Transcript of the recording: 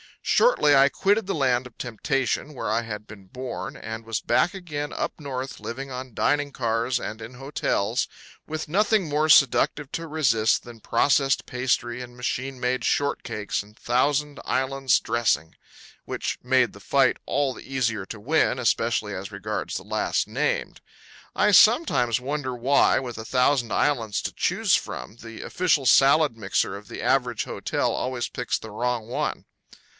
Shortly I quitted the land of temptation where I had been born, and was back again up North living on dining cars and in hotels, with nothing more seductive to resist than processed pastry and machine made shortcakes and Thousand Islands dressing; which made the fight all the easier to win, especially as regards the last named. I sometimes wonder why, with a thousand islands to choose from, the official salad mixer of the average hotel always picks the wrong one.